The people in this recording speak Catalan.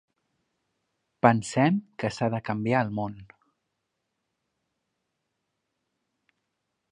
Pensem que s'ha de canviar el món.